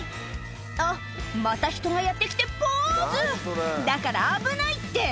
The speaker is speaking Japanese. あっまた人がやって来てポーズだから危ないって！